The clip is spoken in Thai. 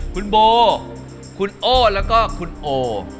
คุณโบคุณโอคุณโอ